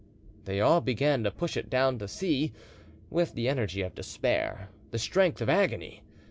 They all began to push it down to the sea with the energy of despair, the strength of agony.